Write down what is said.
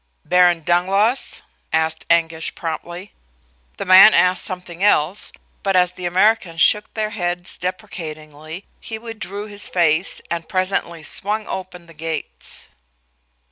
"Baron Dangloss?" asked Anguish, promptly. The man asked something else, but as the Americans shook their heads deprecatingly, he withdrew his face and presently swung open the gates.